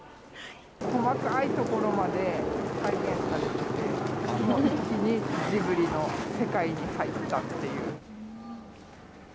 細かいところまで再現されていて、もう一気にジブリの世界に入ったっていう。